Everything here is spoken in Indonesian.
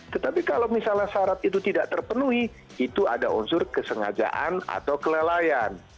tetapi kalau misalnya syarat itu tidak terpenuhi itu ada unsur kesengajaan atau kelelayan